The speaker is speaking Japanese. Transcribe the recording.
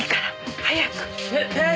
早く！